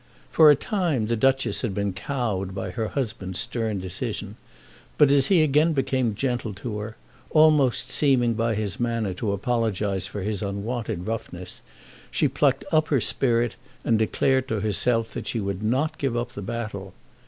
For a time the Duchess had been cowed by her husband's stern decision; but as he again became gentle to her, almost seeming by his manner to apologise for his unwonted roughness, she plucked up her spirit and declared to herself that she would not give up the battle.